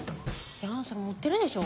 いやそれ盛ってるでしょ。